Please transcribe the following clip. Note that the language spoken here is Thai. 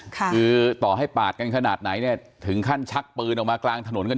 คือต่อให้ปาดกันขนาดไหนเนี่ยถึงขั้นชักปืนออกมากลางถนนกัน